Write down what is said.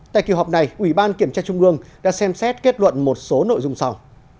tại kỳ họp này ủy ban kiểm tra trung ương đã xem xét kết luận một số nội dung sau